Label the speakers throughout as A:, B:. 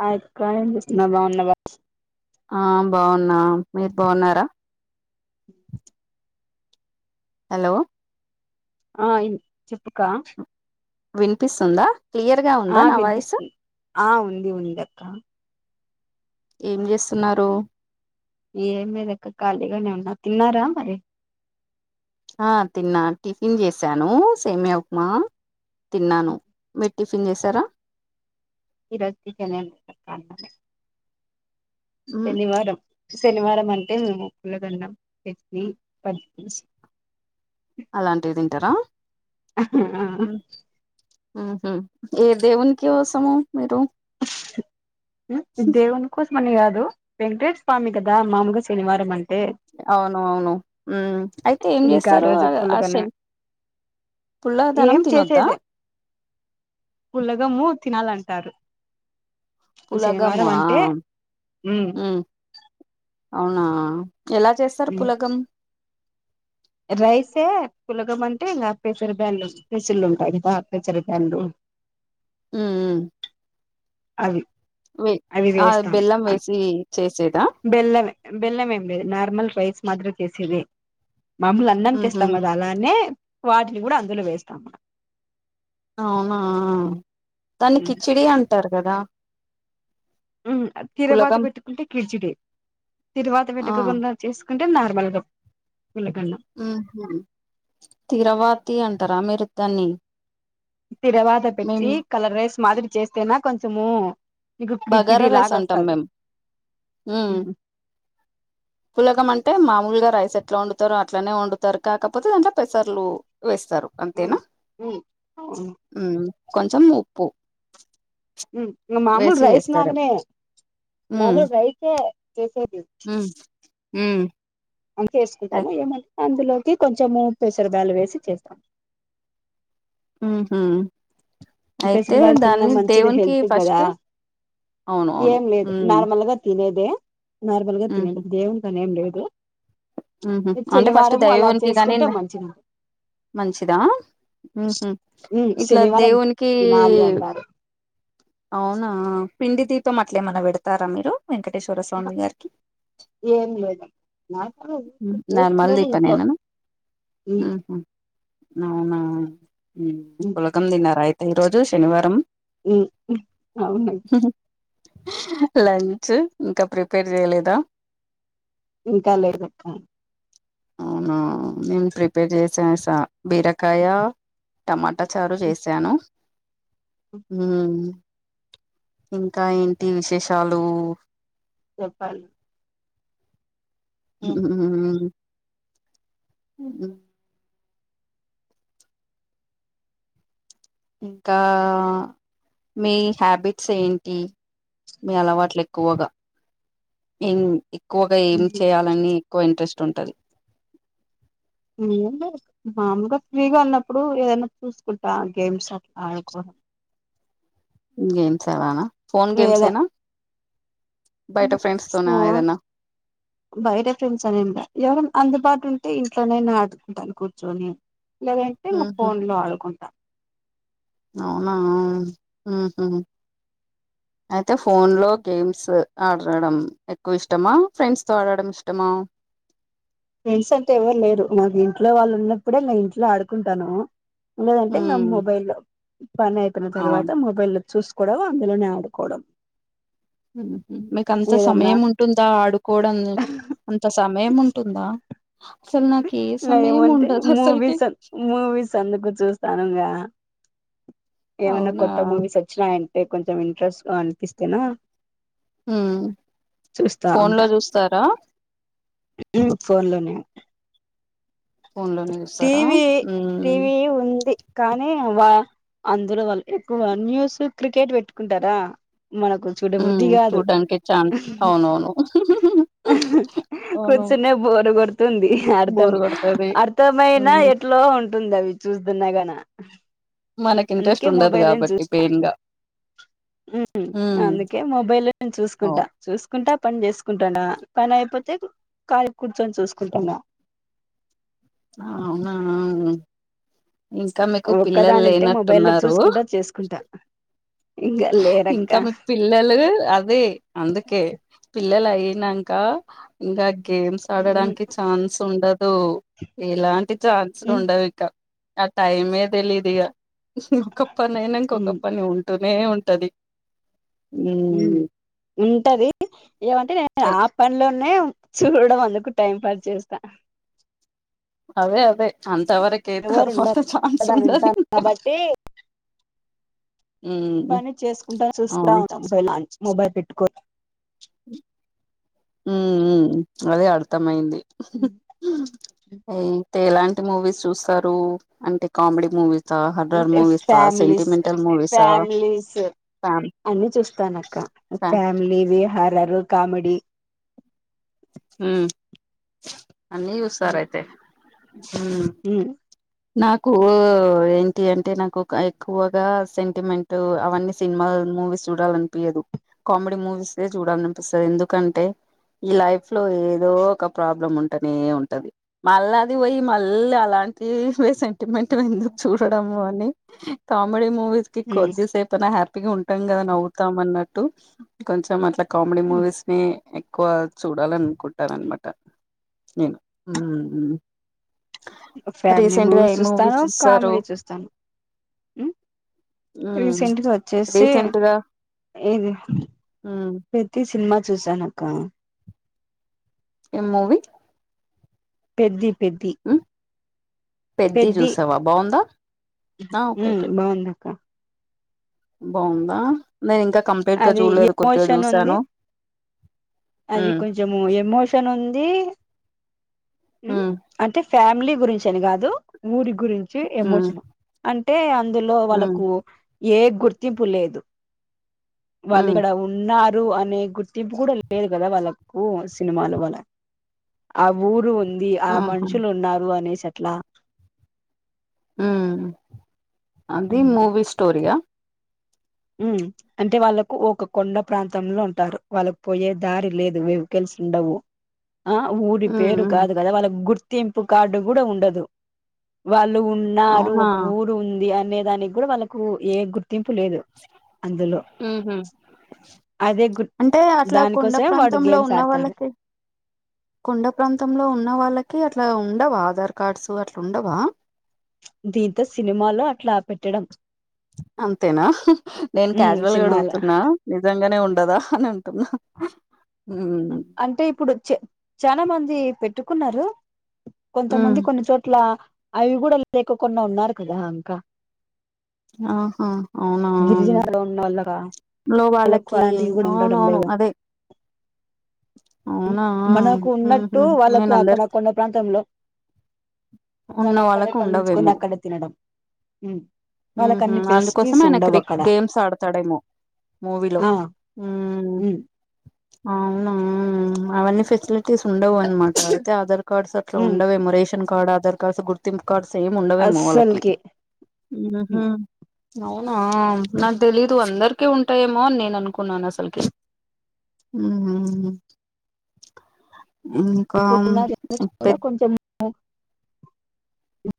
A: Hi అక్క ఏం చేస్తున్న బాన్నవా
B: ఆ బాన్నా మీరు బావున్నారా హలో
A: ఆ ఇన్ చెప్పుక
B: వినిపిస్తుందా క్లియర్ గా ఉందా
A: ఆ
B: నా వాయిస్
A: వినిపిస్తున్ ఆ ఉంది ఉందక్క
B: ఏం జేస్తున్నారు
A: ఏమి లేదక్కా ఖాళీగానే ఉన్నా తిన్నారా మరి
B: ఆ తిన్నా టిఫిన్ చేసాను సేమ్యా ఉప్మా తిన్నాను మీరు టిఫిన్ చేసారా
A: ఈరోజు చికెన్ [unintelligible]
B: ఉమ్
A: శనివారం శనివారం అంటే మేము పులగన్నం చట్నీ పచ్చిపులుస్
B: అలాంటివి తింటారా
A: ఆహా ఆ
B: ఉహు ఏ దేవుని కోసము మీరు
A: ఉ దేవుని కోస్ మని కాదు వెంకటేస్ స్వామి కదా మాముగా శనివారం అన్
B: అవును అవును ఉ అయితే ఏం
A: ఇంకా
B: చేస్తారు ఆ
A: రోజు
B: ఆ
A: పులగన్నం
B: శని పుల్లదనం
A: ఏం
B: తినొద్దా
A: చేసేదే పులగము తినాలంటారు
B: పులగామా
A: శనివారం అంటే ఉమ్
B: ఉ అవునా ఎలా చేస్తారు
A: ఉమ్
B: పులగం
A: రైసే పులగమ అంటే ఇంకా పెసరి బ్యాలు పెసిళ్లు ఉంటాయి కదా పెసిరి బ్యాల్లు.
B: ఉ ఉ
A: అవి అవి వేస్తాము
B: బెల్లం
A: అ
B: వేసి చేసేదా
A: బెల్లమే బెల్లం ఎమ్ లేదు మాములు నార్మల్ రైస్ మాదిరి చేసేదే. మమూలు అన్నం చేస్తాం
B: ఉహు
A: కదా అలానే వాటిని కూడా అందులో వేస్తాం.
B: అవునా దాన్ని కిచిడి అంటారు కదా
A: ఉ తిరువాత
B: పులగం
A: పెట్టుకుంటే కిచిడి తిరువాత
B: ఆ
A: పెట్టుకోకుండా చేస్ కుంటే నార్మల్గా
B: ఉహు తిరావాతి అంటారా మీరు దాన్ని
A: తిరవాత పెట్టి
B: మేము
A: కలర్ రైస్ మాదిరి చేస్తేనా కొంచము మీకు
B: బగారా
A: కిిచిడి
B: రైస్
A: లాగ
B: అంటాం
A: వస్తది
B: మేము ఉమ్ పులగం అంటే మామూలుగా రైస్ ఎట్లా వండుతారో అట్లానే వండుతారు, కాకపోతే దాంట్లో పెసర్లు వేస్తారు అంతేనా ఉ కొంచెం ఉప్పు
A: ఉ ఇంగ మామూలు
B: వేసి
A: రైస్
B: వేస్తారు
A: నాగనే
B: ఉమ్
A: మామూలు రైసే చేసేది
B: ఉ
A: అంతే యేస్కుంటాను ఏమన్ అందులోకి కొంచెము పెసర బ్యాలు వేసి చేస్తాం.
B: ఉ హు
A: ఈ పెసిరి బ్యాల్లు తిన్నం మంచిది హెల్త్ కి కదా
B: ఫస్ట్ అవును అవును
A: ఏం లేదు
B: ఉమ్
A: నార్మల్గా తినేద్ దే నార్మల్గా
B: ఉహు
A: తినాది దేవుడికి అనేం లేదు
B: ఉహు అంటే ఫస్ట్
A: శనివారం అలా
B: దైవానికి
A: చేసుకుంటే
B: కానిందా
A: మంచిది
B: మంచిదా ఉహు
A: ఉమ్,
B: ఇట్లా
A: శనివారం
B: దేవునికి ఈ
A: తినాలి అంటారు
B: అవునా పిండి దీపం అట్లా ఏమన్నా పెడతారా మీరు. వెంకటేశ్వర
A: ఆహా,
B: స్వామి గారికి
A: ఏం లేదు నాకు
B: నార్మల్
A: చేసుకోలేదు
B: దీపం
A: ఇంట్లో
B: పనేననా
A: ఉమ్,
B: అవునా ఉ
A: ఉమ్,
B: పులగం తిన్నారా అయితే ఈ రోజు శనివారం.
A: ఉ అవును
B: లంచు ఇంకా ప్రిపేర్ జేయలేదా
A: ఇంకా లేదక్కా
B: అవునా నేన్ ప్రిపేర్ చేసేసా బీరకాయా టమ టచారు చేశాను ఇంకా ఏంటీ విశేషాలూ
A: చెప్పాలి
B: [unintelligible] ఇంకా మీ హ్యాబిట్స్ ఏంటీ మీ అలవాట్లెక్కువగ ఏం ఎక్కువగ ఏం
A: ఉమ్,
B: చేయాలని ఎక్కువ ఇంట్రెస్ట్ ఉంటది
A: ఏంలే మామూలుగ ఫ్రీగా ఉన్నప్పుడూ ఏదన్న చూసుకుంటా గేమ్స్ అట్లా ఆడుకోవడం
B: గేమ్స్ అలానా ఫోన్ గేమ్స్ ఏనా బయట
A: ఉహు
B: ఫ్రెండ్స్ తోనా
A: ఫో
B: ఏదన్నా
A: బయట ఫ్రెండ్స్ అయుంట ఎవరన్ అందుబాటుంటే ఇంట్లోనైనా ఆడుకుంటాను కూర్చొని లేదంటే న
B: ఉహు
A: ఫోన్ లో ఆడుకుంటా
B: అవునా ఊహు అయితే ఫోన్ లో గేమ్స్ ఆడడం ఎక్కువిష్టమా ఫ్రెండ్స్ తో ఆడడం ఇష్టమా
A: ఫ్రెండ్స్ అంటే ఎవర్ లేరు మాకు ఇంట్లో వాళ్ళున్నప్పుడే మా ఇంట్లో ఆడుకుంటానూ లేదంటే నా
B: ఉమ్
A: మొబైల్ లో పని అయిపోన తరువాత
B: అవును
A: మొబైల్ లో చూసుకోవడం అందులోనే ఆడుకోవడం
B: మీకంత
A: ఏదన్నా
B: సమయం ఉంటుందా ఆడుకోవడన్ అంత సమయముంటుందా
A: [unintelligible]
B: అసలుకి
A: మూవీస మూవీస్ అందుకు చూస్తానని ఆ ఏమన్న
B: అవునా
A: కొత్త మూవీస్ ఒచ్చినాయంటే కొంచం ఇంట్రెస్ట్ గా అనిపిస్తున్నా
B: ఊ ఫోన్ లో జూస్తారా
A: ఊ ఫోన్ లోనే
B: ఫోన్ లోనే చూస్తారా
A: టీవీ
B: ఉమ్
A: టీవీ ఉంది కానీ వా అందులో వాళ్ళు ఎక్కుగా న్యూసూ క్రికెట్ పెట్టుకుంటారా మనకు చూడ బుద్ధి
B: ఉమ్
A: గాదు
B: చూడ్డానికి చాన్ అవునవును
A: కొ
B: అవును
A: స్తెనే బోరు కొడుతుంది అర్థం
B: బోరు కొడతది
A: తమైనా
B: ఉమ్
A: ఎట్లో ఉంటుందవి చూస్తున్నగనా
B: మనకింట్రెస్ట్ ఉండదు గాబట్టి పెయిన్ గా
A: ఊ
B: ఉమ్
A: అందుకే మొబైల్ లోనే చూసుకుంట
B: అవు
A: చూసుకుంటా పన్ జేసుకుం టండా పనయిపోతే ఖాళీగ్ కూర్చొని చూసుకుంటండా
B: అవునా ఇంకా మీకు
A: ఒక్కదానింటే మొబైల్ లో
B: పిల్లల్లేనట్టున్నారూ
A: చూసుకుంటా చేసుకుంటా ఇంకా లేరక్క
B: ఇంకా మీకు పిల్లలు అవే అందుకే పిల్లలయినంకా ఇంకా గేమ్స్
A: ఉమ్,
B: ఆడడానికి ఛాన్స్ ఉండదూ ఎలాంటి ఛాన్సులు
A: ఉమ్,
B: ఉండవిక ఆ టైమ్ ఏ తెలీదిగ ఒక పని అయినంక ఒక
A: ఉమ్,
B: పని ఉంటూనే ఉంటది
A: ఉ
B: ఉమ్
A: ఉంటది ఏమంటే నేను ఆ పనిలోనే చూడడం అన్ దుకు టైం పాస్ చేస్త
B: అదే అదె అంతవరకే
A: ఎవరు
B: తర్వాత
A: ఉండరు
B: ఛాన్స్
A: ఒక్కదాని ఉంటాను
B: ఉండదింకా
A: కాబట్టి పని చేసుకుంట చూస్తా
B: అవును
A: ఉంటాం మొబైల్ పెట్టుకొని
B: ఉ ఉ అదే అర్థమయింది అయితే ఎలాంటి మూవీస్ చూస్తారు అంటే కామెడీ మూవీస్ సా హారర్
A: అంటే
B: మూవీసా
A: ఫ్యామిలీస్
B: సెంటిమెంటల్ మూవీసా
A: ఫ్యామిలీస్
B: ఫ్యామ్
A: అన్ని చూస్తానక్క
B: ఫ్యా
A: ఫ్యామిలీవి హార్రర్ కామెడి
B: ఉమ్ అన్ని చూస్తారైతే ఉమ్ నాకు ఏంటి అంటే నాకు ఎక్కువగా సెంటిమెంట్ అవన్నీ సినిమా మూవీస్ చూడాలనిపయ్యదు కామెడీ మూవీసే చూడాలనిపిస్తది ఎందుకంటే ఈ లైఫ్ లో ఏదో ఒక ప్రాబ్లం ఉంట ఉంటనే ఉంటది మళ్ళా అది పోయి మళ్ళీ అలాంటివే సెంటిమెంట్ ఎందుకు చూడడం అని కామెడీ మూ కొద్దిసేపైన హ్యాపీగా ఉంటాం కదా నవ్వుతాం అన్నట్టు కొంచెం అట్లా కామెడీ మూవీస్ ని ఎక్కువ చూడాలనుకుంటానన్నమాట ఉమ్
A: ఫ్యామిలీ మూవీస్ చూస్తాను
B: చూసారు
A: కామెడీ చూస్తాను
B: ఉమ్
A: రీసెంట్గా వచ్చేసి
B: రీసెంట్ గా
A: ఇది
B: ఉమ్
A: పెద్ది సినిమా చూసానక్క
B: ఏం మూవీ
A: పెద్ది పెద్ది
B: ఉమ్ పెద్ది చూసావా బాగుందా ఆ ఓకే
A: ఉమ్
B: ఓకే
A: బాగుందక్క
B: బాగుందా నేను ఇంకా కంప్లీట్గా
A: అది
B: చూడలేదు కొద్దిగా
A: ఎమోషన్ ఉంది
B: చూసాను
A: అది
B: ఉమ్
A: కొంచము ఎమోషన్ ఉంది
B: ఉమ్
A: అంటే ఫ్యామిలీ గురించి అని కాదు ఊరి గురించి
B: ఉమ్
A: ఎమోషనల్ అంటే అంటే అందులో
B: ఉమ్
A: వాళ్ళకు ఏ గుర్తింపు లేదు వాళ్ళు
B: ఉమ్
A: ఇక్కడ ఉన్న న్నారు అనే గుర్తింపు కూడా లేదు కదా వాళ్ళకు సినిమాలో వాళ్ళ ఆ ఊరు ఉంది ఆ
B: ఆహా
A: మనుషులు ఉన్నారు అనేసట్లా
B: అది మూవి స్టోరియా
A: ఉ అంటే వాళ్ళకు ఒక కొండ ప్రాంతంలో ఉంటారు వాళ్ళకు పోయే దారి లేదు వెహికల్ ల్సుండవు ఆ ఊరి
B: ఉమ్
A: పేరు
B: ఉమ్
A: కాదు కదా వాళ్ళకు గుర్తింపు కార్డు కూడా ఉండదు వాళ్ళ ళ్ళు ఉన్నారు
B: అవునా
A: ఒక ఊరు ఉంది అనే దానికి కూడా వాళ్ళకు ఏ గుర్తింపు లేదు అందులో
B: ఉహు
A: అదే గు
B: అంటే అట్లా కొండ
A: దానికోసమే వాడు
B: ప్రాంతంలో
A: గేమ్స్
B: ఉన్న
A: ఆడతారు
B: వాళ్ళకి కొండ ప్రాంతంలో ఉన్న వాళ్ళకి అట్లా ఉండవా ఆధార్ కార్డ్స్ అట్ల ఉండవా
A: దీంతో సినిమాలో అట్లా పెట్టడం
B: అంతేనా నేను
A: ఉమ్
B: క్యాజువల్ గా
A: సినిమాలు
B: అడుగుతున్నా నిజంగానే ఉండదా అని అం టున్నా
A: అంటే ఇప్పుడు చాలా మంది పెట్టుకున్నారు
B: ఉమ్
A: కొంతమంది కొన్ని చోట్ల అవి కూడా లేకోకుండా ఉన్నారు కదా ఇంకా
B: ఆహా అవునా
A: గిరిజనాలో ఉన్న వాళ్ళగా
B: లో
A: వాళ్ళకు
B: వాళ్ళకి
A: అలాంటివి కూడా ఉండడం
B: అవునవును
A: లేదు
B: అదే అవునా
A: మనకు ఉన్నట్టు
B: ఉహు
A: వాళ్ళకు
B: నేను
A: అక్కడ
B: అందర్
A: కొండ ప్రాంతంలో
B: ఉన్న
A: వాళ్ళు అక్కడే
B: వాళ్ళకు
A: పండించుకొని
B: ఉండవేమో
A: అక్కడే తినడం ఉ
B: ఉహు అందుకోసం ఆయన క్రి గేమ్స్ ఆడతాడేమో మూవిలో
A: ఆ
B: ఊ
A: ఉమ్
B: అవునా అవన్నీ ఫెసిలిటీస్ ఉండవు అనమాట అయితే అదర్ కార్డ్స్ అట్లా
A: ఉమ్
B: ఉండవేమో రేషన్ కార్డ్ ఆధార్ కార్డ్స్ గుర్తింపు కార్డ్స్ ఏమి ఉండవేమో వాళ్ళకి
A: అస్సలుకి
B: ఉహు అవునా నాకు తెలీదు అందరికి ఉంటాయేమో అని నేను అనుకున్నాను అసలుకి ఊ ఇంకా
A: ఇప్పుడున్న కూడా
B: ఇపెత్
A: కొంచెం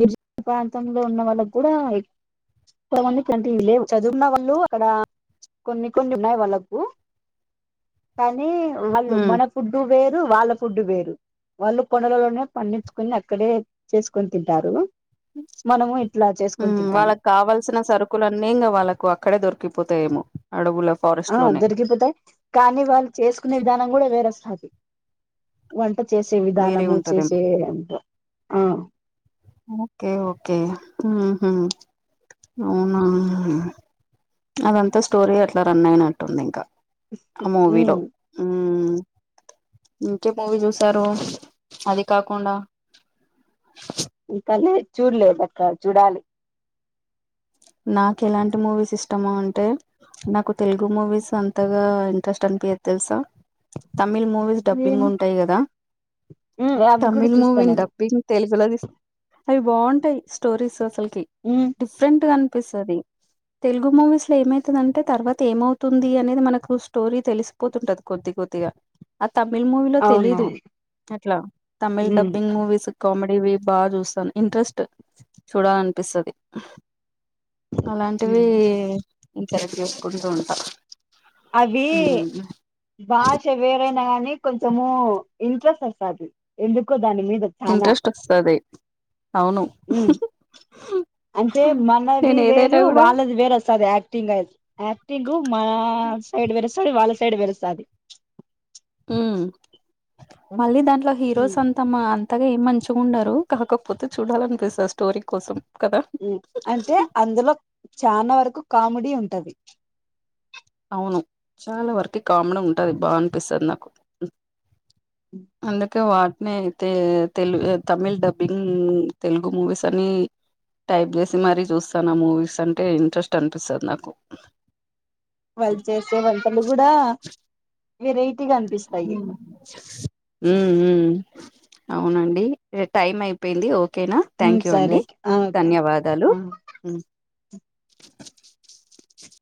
A: గిరిజన ప్రాంతంలో ఉన్న వాళ్ళకి కూడా కొంతమందికి అంటె ఇవి లేవు చదువున్న వాళ్ళు అక్కడ కొన్ని కొన్ని ఉన్నాయి వాళ్ళకు కానీ వాళ్ళు
B: ఉమ్
A: మన ఫుడ్డు వేరు వాళ్ళ ఫుడ్ వేరు వాళ్ళు కొండలలోనే పండించుకుని అక్కడే చేసుకొని తింటారు మనము ఇట్లా
B: ఉ
A: చేసుకొని తింటాము
B: వాళ్ళకు కావల్సిన సరుకులన్నీ ఇంగ వాళ్ళకు అక్కడే దొరికిపో తయేమో అడుగుల
A: ఆ దొరికిపోతాయి కానీ వాళ్ళు చేసుకునే విధానం కూడా వేరేసతి వ వంట చేసే
B: వేరే
A: విధానము
B: ఉంటదేమో
A: చేసే అంట ఆ
B: ఓకే ఓకే ఉహు అవునా అదంతా స్టోరీ అట్లా రన్ అయినట్టుంది ఇంకా ఆ మూవీలో
A: ఉమ్
B: ఊ ఇంకే మూవీ చూసారు అది కాకుండా
A: ఇంకా లే చూడలేదక్క చూడాలి
B: నాకు ఎలాంటి మూవీస్ ఇష్టమా అంటే నాకు తెలుగు మూవీస్ అంతగా ఇంట్రెస్ట్ అనిపియదు తెల్సా తమిళ్ మూవీస్ డబ్బింగ్
A: ఉమ్
B: ఉంటాయి కదా
A: ఉమ్ అవి కూడా
B: తమిళ్
A: చూస్తా
B: మూవీని
A: నేను
B: డబ్బింగ్ తెలుగులో దిస్త్ అవి బాగుంటాయి స్టోరీస్ అసలకి
A: ఉమ్
B: డిఫరెంట్ గా అనిపిస్తది తెలుగు మూవీస్ లో ఏమయితుందంటే తర్వాత ఏమవుతుంది అనేది మనకు స్టోరీ తెలిసిపోతుంటది కొద్ది బొతిగా ఆ తమిళ్ మూవీలో తెలీదు
A: అవునవును
B: అట్లా తమిళ్
A: ఉమ్
B: డబ్బింగ్ మూవీస్ కామెడీవి బాగా చూస్తాను ఇంట్రెస్ట్ చూడాలనిపిస్తది అలాంటివి
A: ఉమ్
B: ఇంకరక్ చేసుకుంటు ఉంటా
A: అవి
B: మ్
A: భాష వేరైన గాని కొంచెము ఇంట్రెస్ట్ వస్తాది ఎందుకో దాని మీద చానా
B: ఇంట్రెస్ట్ వస్తది అవును
A: ఉ అంటే మనది
B: నేను ఏదైనా
A: వేరు
B: కూడా
A: వాళ్ళది వేరు వస్తది యాక్టింగ్ అయితే యాక్ గు మా సైడ్ వేరొస్తది వాళ్ళ సైడ్ వేరొస్తది
B: మ్ మళ్ళీ దాంట్లో
A: ఉమ్
B: హీరోస్ అంతామా అంతగా ఏం మంచిగా ఉండరు కాకపోతే చూడాలినిపిస్తది స్టోరీ కోసం కదా
A: మ్ అంటే అందులో చానా వరకు కామెడీ ఉంటది
B: అవును చాలా వరకి కామెడి ఉంటది బా అనిపిస్తది నాకు అందుకే వా నే అయితే తెలుగు తమిళ్ డబ్బింగ్ తెలుగు మూవీస్ అని టైప్ జేసి మరీ జూస్తాను ఆ మూవీస్ అంటే ఇంట్రెస్ట్ అనిపిస్తది నాకు
A: వాళ్ళు చేసే వంటలు గూడా వేరై
B: ఉ ఉమ్ అవునండి ఇ టైమ్ అయిపోయింది ఓకే ఓకేనా
A: ఉమ్,
B: థ్యాంక్ యూ అండి
A: సరే ఓకే
B: ధన్యవాదాలు [inaudible]